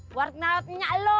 buat ngerawat nyiak lo